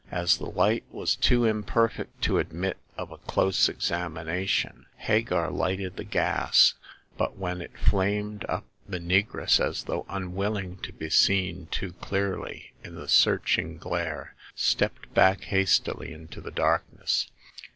As the light was too imperfect to admit of a close examination, Hagar lighted the gas, but when it flamed up the negress, as though unwilling to be seen too clearly in the searching glare, stepped back hastily into the darkness.